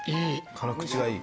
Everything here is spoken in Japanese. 辛口がいい。